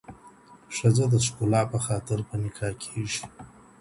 ښځه د ښکلا په خاطر په نکاح کيږي